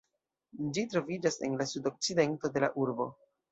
Ĝi troviĝas en la sudokcidento de la urbo.